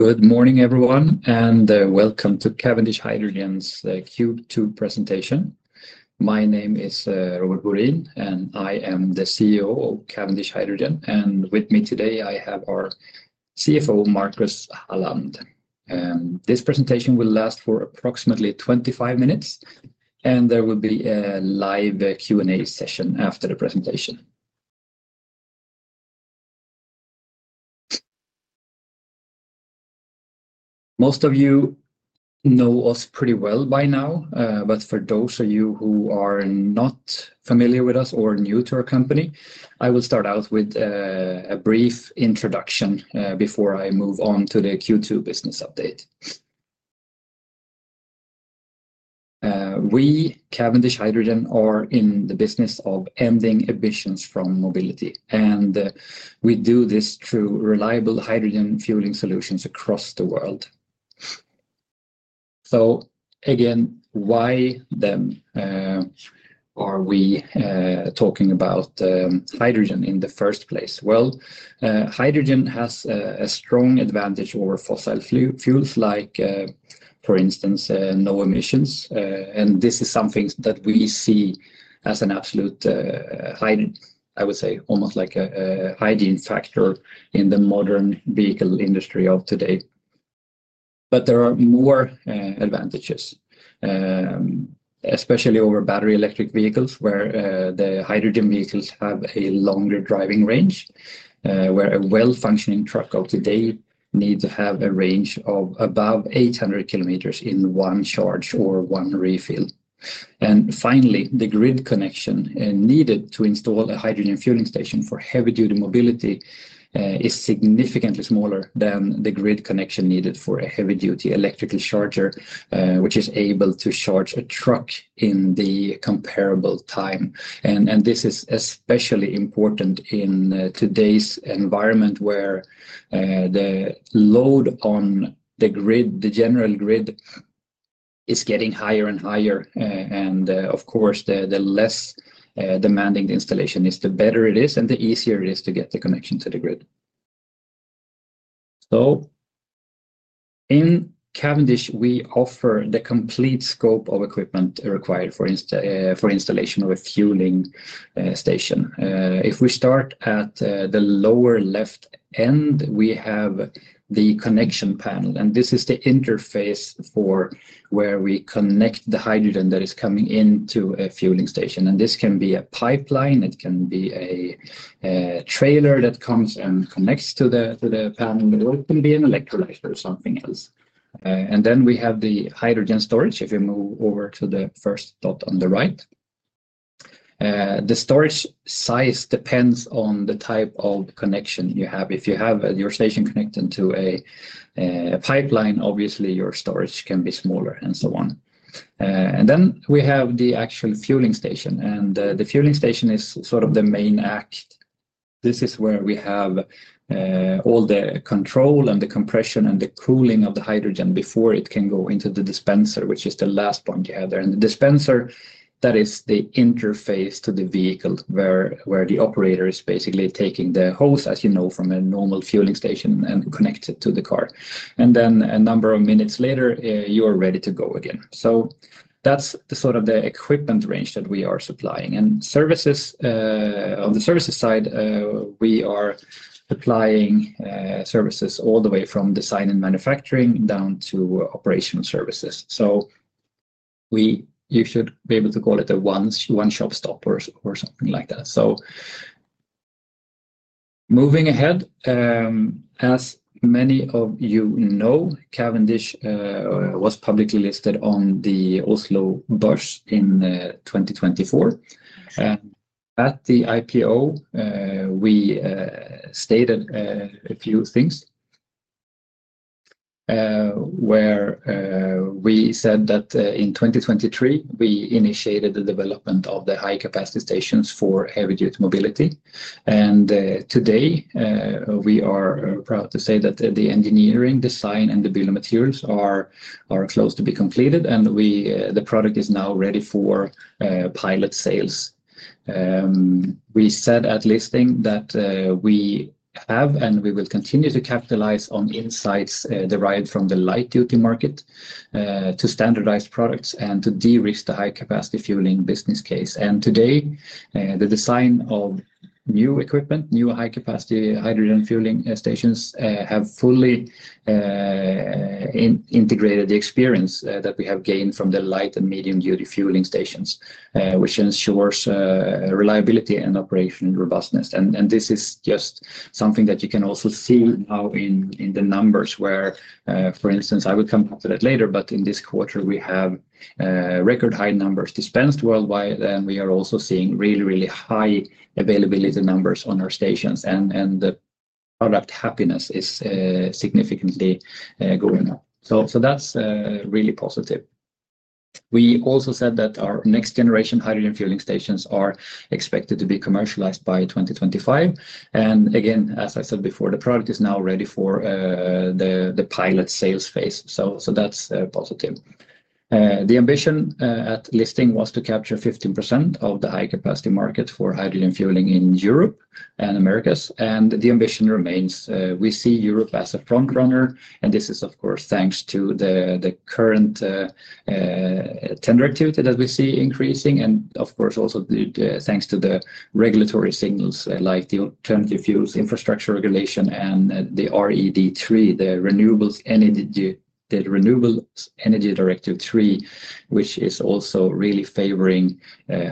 Good morning, everyone, and welcome to Cavendish Hydrogen's Q2 presentation. My name is Robert Borin, and I am the CEO of Cavendish Hydrogen. With me today, I have our CFO, Marcus Halland. This presentation will last for approximately 25 minutes, and there will be a live Q&A session after the presentation. Most of you know us pretty well by now, but for those of you who are not familiar with us or new to our company, I will start out with a brief introduction before I move on to the Q2 business update. We, Cavendish Hydrogen, are in the business of ending emissions from mobility, and we do this through reliable hydrogen fueling solutions across the world. Hydrogen has a strong advantage over fossil fuels, like, for instance, no emissions. This is something that we see as an absolute, I would say, almost like a hygiene factor in the modern vehicle industry of today. There are more advantages, especially over battery electric vehicles, where the hydrogen vehicles have a longer driving range, where a well-functioning truck of today needs to have a range of above 800 km in one charge or one refill. Finally, the grid connection needed to install a hydrogen fueling station for heavy-duty mobility is significantly smaller than the grid connection needed for a heavy-duty electrical charger, which is able to charge a truck in the comparable time. This is especially important in today's environment where the load on the grid, the general grid, is getting higher and higher. Of course, the less demanding the installation is, the better it is, and the easier it is to get the connection to the grid. In Cavendish Hydrogen ASA, we offer the complete scope of equipment required for installation of a fueling station. If we start at the lower left end, we have the connection panel, and this is the interface for where we connect the hydrogen that is coming into a fueling station. This can be a pipeline, it can be a trailer that comes and connects to the panel, or it can be an electrolyzer or something else. Then we have the hydrogen storage. If you move over to the first dot on the right, the storage size depends on the type of connection you have. If you have your station connected to a pipeline, obviously your storage can be smaller and so on. Then we have the actual fueling station, and the fueling station is sort of the main act. This is where we have all the control, the compression, and the cooling of the hydrogen before it can go into the dispenser, which is the last point you have there. The dispenser is the interface to the vehicle where the operator is basically taking the hose, as you know, from a normal fueling station and connecting it to the car. A number of minutes later, you are ready to go again. That's the sort of equipment range that we are supplying. On the services side, we are applying services all the way from design and manufacturing down to operational services. You should be able to call it a one-stop shop or something like that. Moving ahead, as many of you know, Cavendish was publicly listed on the Oslo Børs in 2024. At the IPO, we stated a few things where we said that in 2023, we initiated the development of the high-capacity stations for heavy-duty mobility. Today, we are proud to say that the engineering, design, and the building materials are close to being completed, and the product is now ready for pilot sales. We said at listing that we have, and we will continue to capitalize on insights derived from the light-duty market to standardize products and to derisk the high-capacity fueling business case. Today, the design of new equipment, new high-capacity hydrogen fueling stations, has fully integrated the experience that we have gained from the light and medium-duty fueling stations, which ensures reliability and operational robustness. This is just something that you can also see now in the numbers where, for instance, I will come to that later, but in this quarter, we have record high numbers dispensed worldwide, and we are also seeing really, really high availability numbers on our stations. The product happiness is significantly going up. That's really positive. We also said that our next-generation hydrogen fueling stations are expected to be commercialized by 2025. As I said before, the product is now ready for the pilot sales phase. That's positive. The ambition at listing was to capture 15% of the high-capacity market for hydrogen fueling in Europe and the Americas. The ambition remains. We see Europe as a frontrunner, and this is, of course, thanks to the current tender activity that we see increasing, and also thanks to the regulatory signals like the Alternative Fuels Infrastructure Regulation and the RED III, the Renewable Energy Directive III, which is also really favoring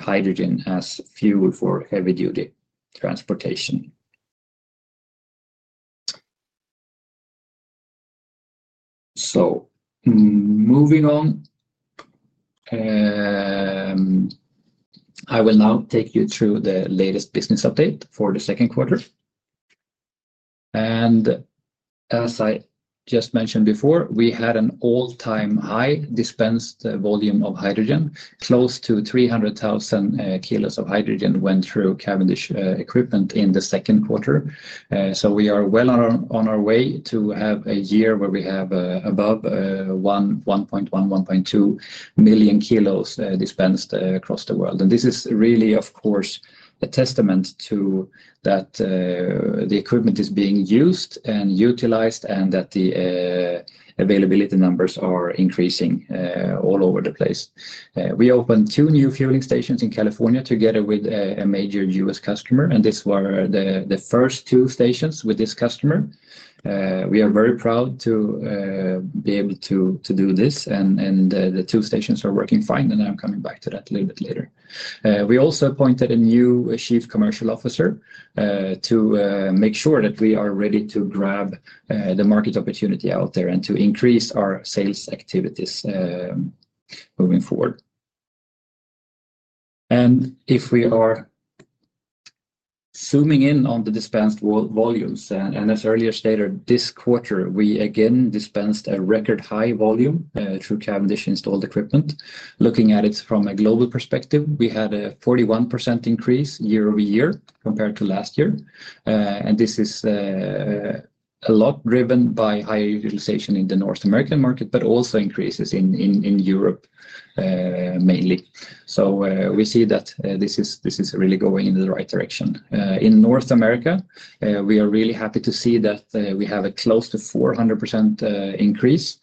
hydrogen as fuel for heavy-duty transportation. Moving on, I will now take you through the latest business update for the second quarter. As I just mentioned before, we had an all-time high dispensed volume of hydrogen. Close to 300,000 kg of hydrogen went through Cavendish equipment in the second quarter. We are well on our way to have a year where we have above 1.1 million kg, 1.2 million kg dispensed across the world. This is really, of course, a testament to the fact that the equipment is being used and utilized and that the availability numbers are increasing all over the place. We opened two new fueling stations in California together with a major U.S. customer, and these were the first two stations with this customer. We are very proud to be able to do this, and the two stations are working fine. I'm coming back to that a little bit later. We also appointed a new Chief Commercial Officer to make sure that we are ready to grab the market opportunity out there and to increase our sales activities moving forward. If we are zooming in on the dispensed volumes, and as earlier stated, this quarter, we again dispensed a record high volume through Cavendish Installed Equipment. Looking at it from a global perspective, we had a 41% increase year over year compared to last year. This is a lot driven by high utilization in the North American market, but also increases in Europe mainly. We see that this is really going in the right direction. In North America, we are really happy to see that we have a close to 400% increase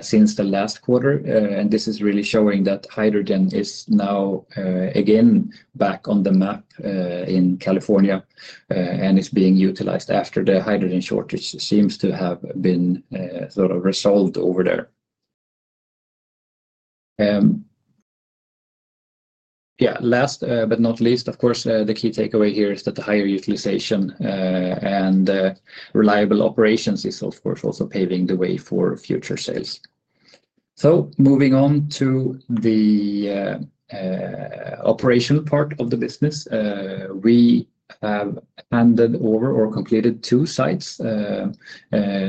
since the last quarter, and this is really showing that hydrogen is now again back on the map in California and is being utilized after the hydrogen shortage seems to have been sort of resolved over there. Last but not least, of course, the key takeaway here is that the higher utilization and reliable operations is, of course, also paving the way for future sales. Moving on to the operational part of the business, we have handed over or completed two sites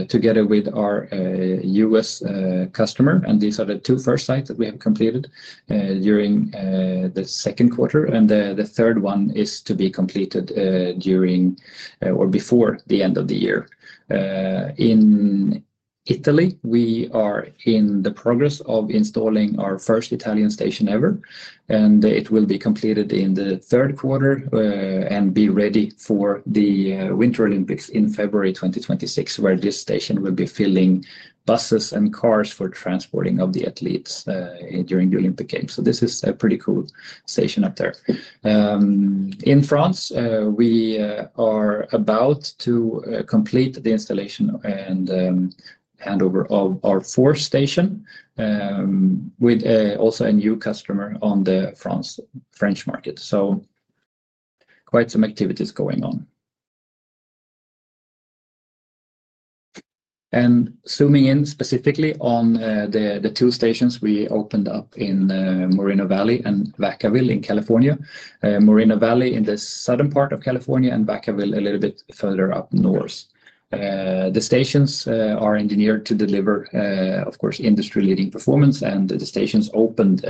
together with our U.S. customer, and these are the two first sites that we have completed during the second quarter. The third one is to be completed during or before the end of the year. In Italy, we are in the progress of installing our first Italian station ever, and it will be completed in the third quarter and be ready for the Winter Olympics in February 2026, where this station will be filling buses and cars for transporting the athletes during the Olympic Games. This is a pretty cool station out there. In France, we are about to complete the installation and handover of our fourth station with also a new customer on the French market. Quite some activities going on. Zooming in specifically on the two stations we opened up in Moreno Valley and Vacaville in California, Moreno Valley in the southern part of California and Vacaville a little bit further up north, the stations are engineered to deliver, of course, industry-leading performance. The stations opened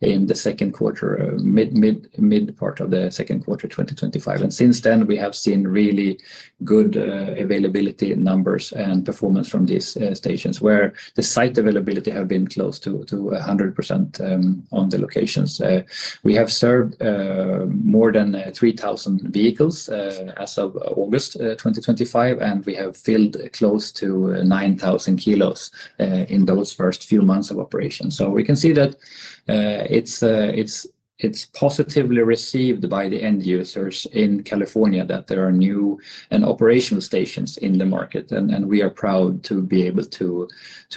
in the second quarter, mid-part of the second quarter 2025. Since then, we have seen really good availability numbers and performance from these stations where the site availability has been close to 100% on the locations. We have served more than 3,000 vehicles as of August 2025, and we have filled close to 9,000 kg in those first few months of operations. We can see that it's positively received by the end users in California that there are new and operational stations in the market, and we are proud to be able to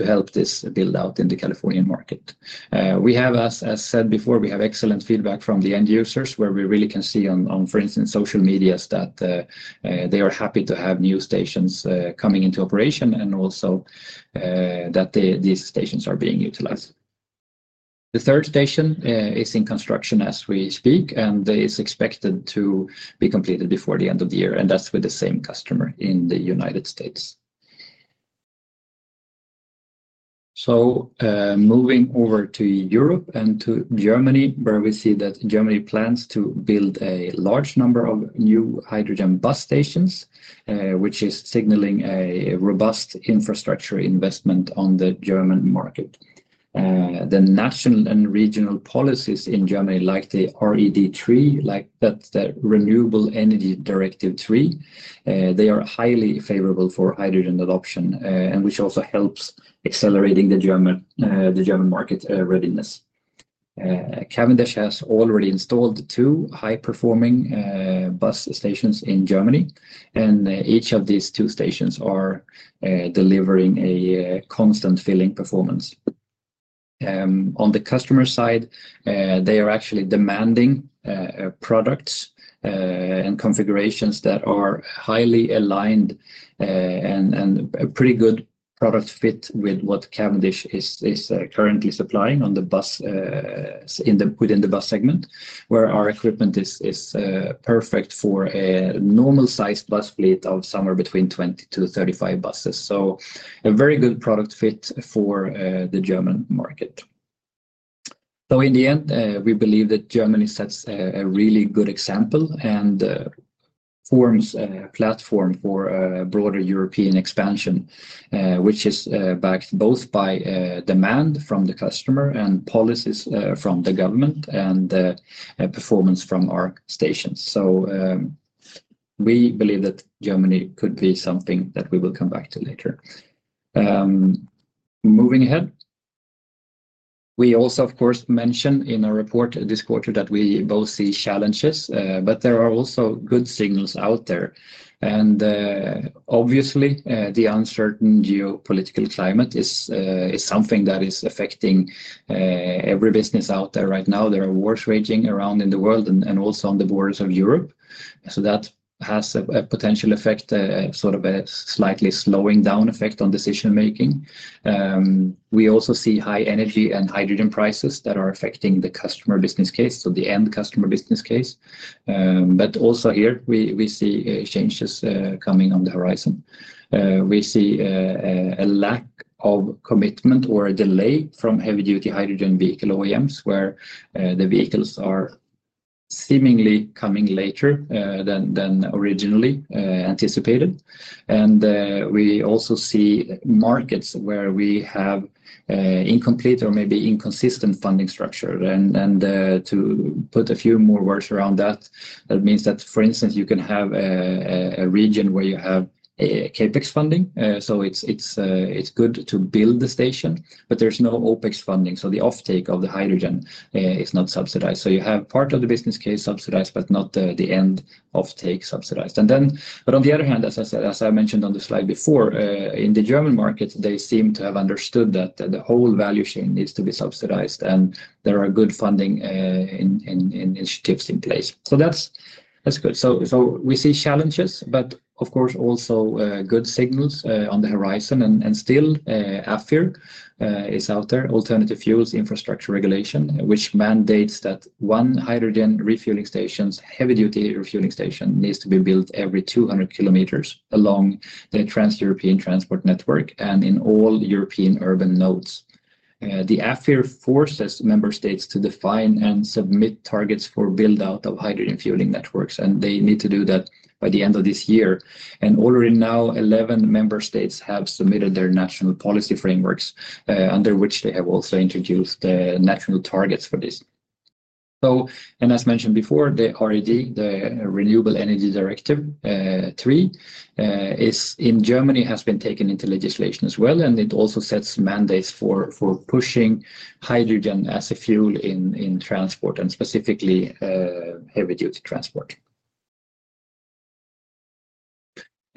help this build out in the Californian market. As I said before, we have excellent feedback from the end users where we really can see on, for instance, social medias that they are happy to have new stations coming into operation and also that these stations are being utilized. The third station is in construction as we speak, and it's expected to be completed before the end of the year, and that's with the same customer in the United States. Moving over to Europe and to Germany, where we see that Germany plans to build a large number of new hydrogen bus stations, which is signaling a robust infrastructure investment on the German market. The national and regional policies in Germany, like the RED III, the Renewable Energy Directive III, are highly favorable for hydrogen adoption, which also helps accelerate the German market readiness. Cavendish has already installed two high-performing bus stations in Germany, and each of these two stations is delivering a constant filling performance. On the customer side, they are actually demanding products and configurations that are highly aligned and a pretty good product fit with what Cavendish is currently supplying within the bus segment, where our equipment is perfect for a normal-sized bus fleet of somewhere between 20-35 buses. A very good product fit for the German market. In the end, we believe that Germany sets a really good example and forms a platform for broader European expansion, which is backed both by demand from the customer and policies from the government and performance from our stations. We believe that Germany could be something that we will come back to later. Moving ahead, we also, of course, mentioned in our report this quarter that we both see challenges, but there are also good signals out there. Obviously, the uncertain geopolitical climate is something that is affecting every business out there right now. There are wars raging around in the world and also on the borders of Europe. That has a potential effect, sort of a slightly slowing down effect on decision-making. We also see high energy and hydrogen prices that are affecting the customer business case, so the end customer business case. Here, we see changes coming on the horizon. We see a lack of commitment or a delay from heavy-duty hydrogen vehicle OEMs, where the vehicles are seemingly coming later than originally anticipated. We also see markets where we have incomplete or maybe inconsistent funding structure. To put a few more words around that, that means that, for instance, you can have a region where you have CapEx funding. It's good to build the station, but there's no OpEx funding. The offtake of the hydrogen is not subsidized. You have part of the business case subsidized, but not the end offtake subsidized. On the other hand, as I mentioned on the slide before, in the German market, they seem to have understood that the whole value chain needs to be subsidized, and there are good funding initiatives in place. That's good. We see challenges, but of course, also good signals on the horizon. AFIR is out there, Alternative Fuels Infrastructure Regulation, which mandates that one hydrogen refueling station, heavy-duty refueling station, needs to be built every 200 km along the Trans-European transport network and in all European urban nodes. The AFIR forces member states to define and submit targets for build-out of hydrogen fueling networks, and they need to do that by the end of this year. Already now, 11 member states have submitted their national policy frameworks, under which they have also introduced the national targets for this. As mentioned before, the RED, the Renewable Energy Directive III, is in Germany, has been taken into legislation as well, and it also sets mandates for pushing hydrogen as a fuel in transport and specifically heavy-duty transport.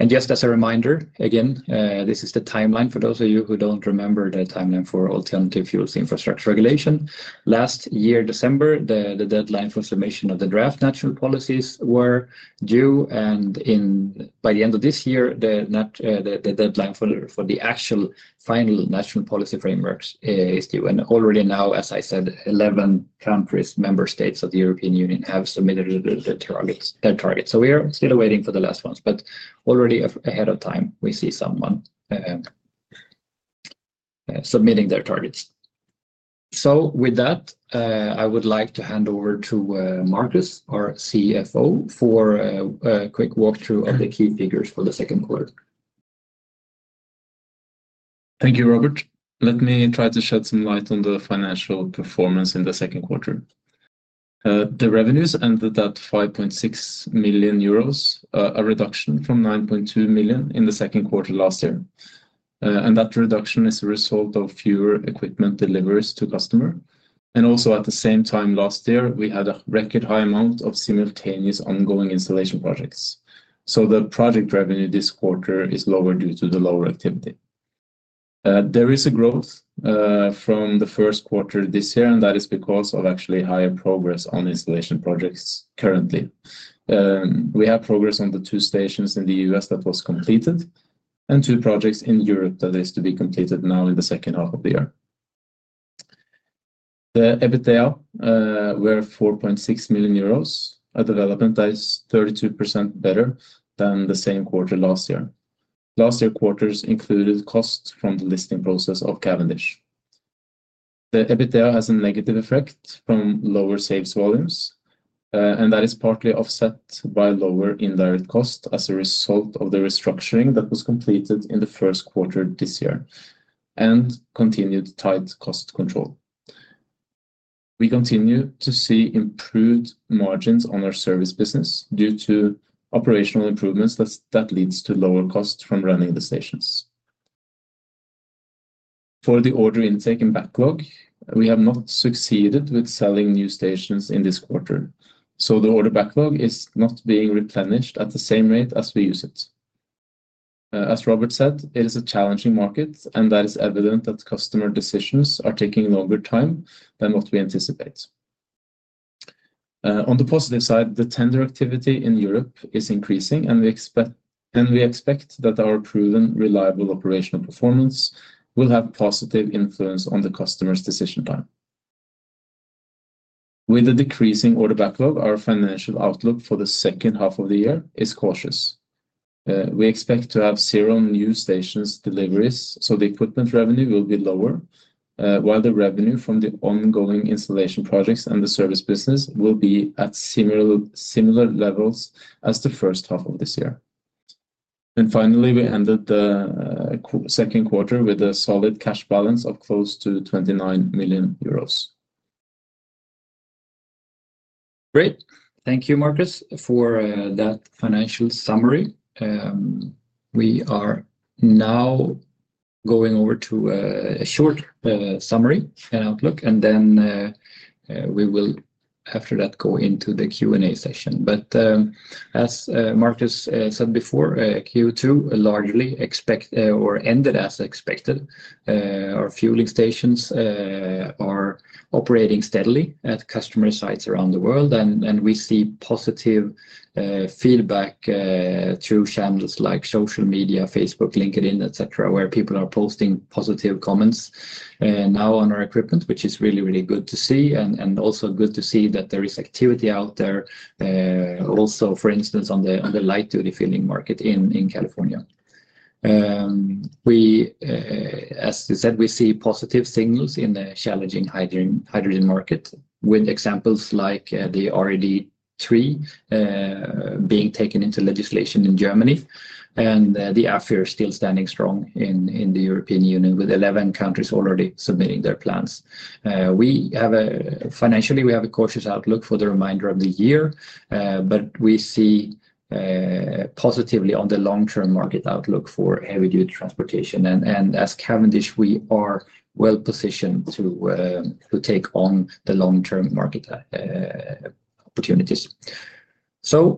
Just as a reminder, this is the timeline for those of you who don't remember the timeline for Alternative Fuels Infrastructure Regulation. Last year, December, the deadline for submission of the draft national policies was due, and by the end of this year, the deadline for the actual final national policy frameworks is due. Already now, as I said, 11 countries, member states of the European Union have submitted their targets. We are still waiting for the last ones, but already ahead of time, we see someone submitting their targets. With that, I would like to hand over to Marcus, our CFO, for a quick walkthrough of the key figures for the second quarter. Thank you, Robert. Let me try to shed some light on the financial performance in the second quarter. The revenues ended at 5.6 million euros, a reduction from 9.2 million in the second quarter last year. That reduction is a result of fewer equipment deliveries to customers. At the same time last year, we had a record high amount of simultaneous ongoing installation projects. The project revenue this quarter is lower due to the lower activity. There is a growth from the first quarter this year, and that is because of actually higher progress on installation projects currently. We have progress on the two stations in the U.S. that was completed and two projects in Europe that are to be completed now in the second half of the year. The EBITDA were 4.6 million euros, a development that is 32% better than the same quarter last year. Last year's quarters included costs from the listing process of Cavendish. The EBITDA has a negative effect from lower sales volumes, and that is partly offset by lower indirect costs as a result of the restructuring that was completed in the first quarter this year and continued tight cost control. We continue to see improved margins on our service business due to operational improvements that lead to lower costs from running the stations. For the order intake and backlog, we have not succeeded with selling new stations in this quarter. The order backlog is not being replenished at the same rate as we use it. As Robert said, it is a challenging market, and that is evident that customer decisions are taking longer time than what we anticipate. On the positive side, the tender activity in Europe is increasing, and we expect that our proven reliable operational performance will have a positive influence on the customer's decision time. With a decreasing order backlog, our financial outlook for the second half of the year is cautious. We expect to have 0 new stations deliveries, so the equipment revenue will be lower, while the revenue from the ongoing installation projects and the service business will be at similar levels as the first half of this year. Finally, we ended the second quarter with a solid cash balance of close to 29 million euros. Great. Thank you, Marcus, for that financial summary. We are now going over to a short summary and outlook, and then we will, after that, go into the Q&A session. As Marcus said before, Q2 largely ended as expected, our fueling stations are operating steadily at customer sites around the world, and we see positive feedback through channels like social media, Facebook, LinkedIn, etc., where people are posting positive comments now on our equipment, which is really, really good to see, and also good to see that there is activity out there. For instance, on the light-duty fueling market in California. As I said, we see positive signals in the challenging hydrogen market, with examples like the RED III being taken into legislation in Germany, and the AFIR still standing strong in the European Union, with 11 countries already submitting their plans. Financially, we have a cautious outlook for the remainder of the year, but we see positively on the long-term market outlook for heavy-duty transportation. As Cavendish, we are well positioned to take on the long-term market opportunities.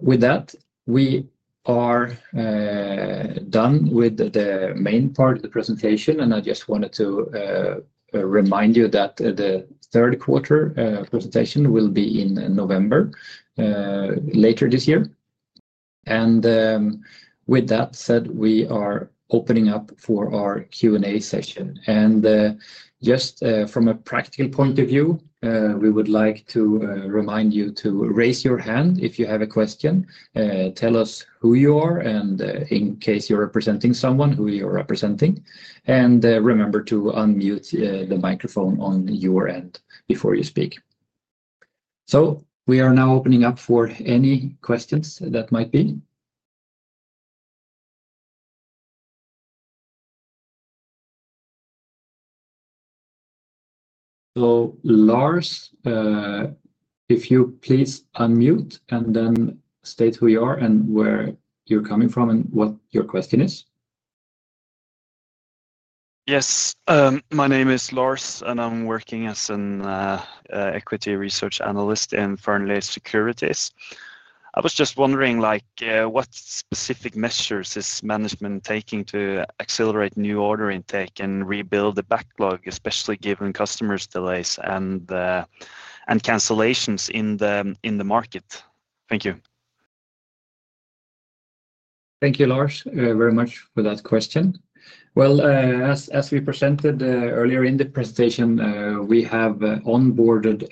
With that, we are done with the main part of the presentation, and I just wanted to remind you that the third quarter presentation will be in November later this year. With that said, we are opening up for our Q&A session. Just from a practical point of view, we would like to remind you to raise your hand if you have a question. Tell us who you are, and in case you're representing someone, who you're representing, and remember to unmute the microphone on your end before you speak. We are now opening up for any questions that might be. Lars, if you please unmute and then state who you are and where you're coming from and what your question is. Yes. My name is Lars, and I'm working as an equity research analyst in Fearnley Securities. I was just wondering, what specific measures is management taking to accelerate new order intake and rebuild the backlog, especially given customers' delays and cancellations in the market? Thank you. Thank you, Lars, very much for that question. As we presented earlier in the presentation, we have onboarded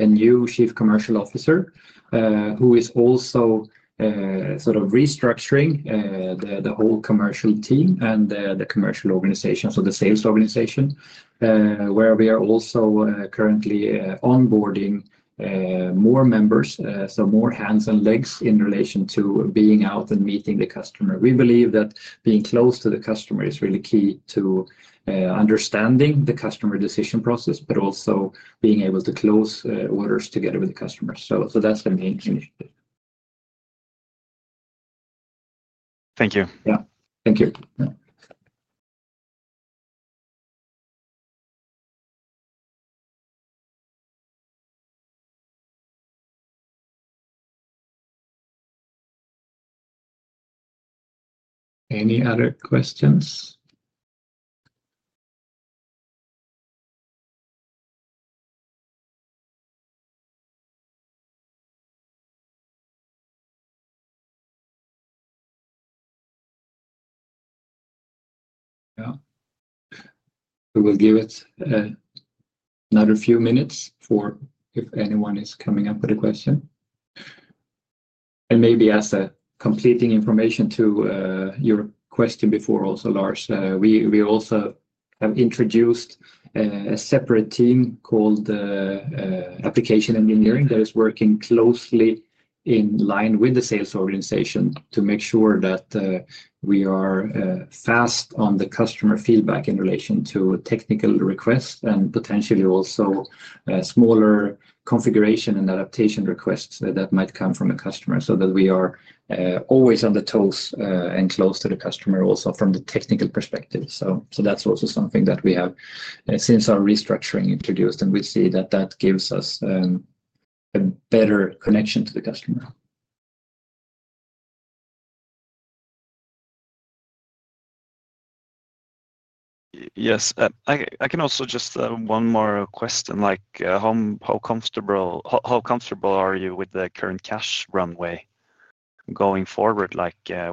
a new Chief Commercial Officer who is also sort of restructuring the whole commercial team and the commercial organization, so the sales organization, where we are also currently onboarding more members, so more hands and legs in relation to being out and meeting the customer. We believe that being close to the customer is really key to understanding the customer decision process, but also being able to close orders together with the customer. That's the main change. Thank you. Yeah.Thank you. Any other questions? Yeah. We will give it another few minutes if anyone is coming up with a question. Maybe as a completing information to your question before, also Lars, we also have introduced a separate team called Application Engineering that is working closely in line with the sales organization to make sure that we are fast on the customer feedback in relation to technical requests and potentially also smaller configuration and adaptation requests that might come from a customer, so that we are always on the toes and close to the customer also from the technical perspective. That's also something that we have since our restructuring introduced, and we see that gives us a better connection to the customer. Yes. I can also just ask one more question. How comfortable are you with the current cash runway going forward?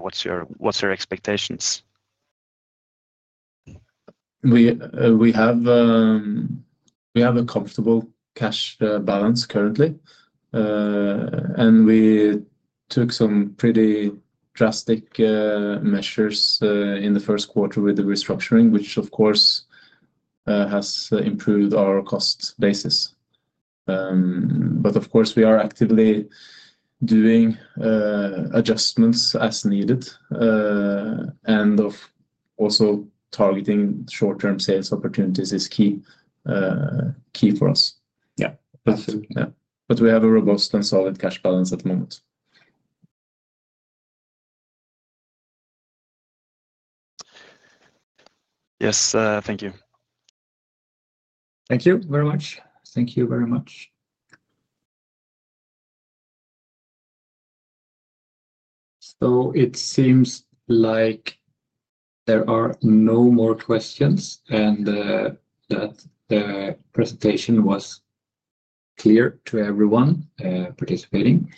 What's your expectations? We have a comfortable cash balance currently, and we took some pretty drastic measures in the first quarter with the restructuring, which, of course, has improved our cost basis. We are actively doing adjustments as needed, and also targeting short-term sales opportunities is key for us. Yeah. We have a robust and solid cash balance at the moment. Yes, thank you. Thank you very much. Thank you very much. It seems like there are no more questions, and that the presentation was clear to everyone participating.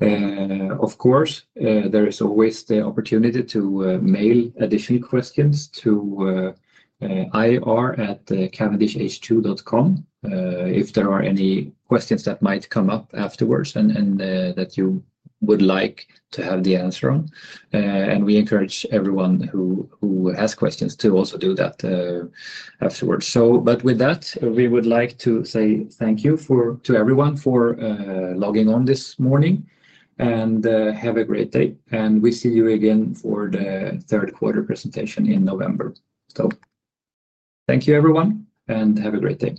Of course, there is always the opportunity to mail additional questions to ir@cavendishh2.com if there are any questions that might come up afterwards and that you would like to have the answer on. We encourage everyone who has questions to also do that afterwards. With that, we would like to say thank you to everyone for logging on this morning, and have a great day. We see you again for the third quarter presentation in November. Thank you, everyone, and have a great day.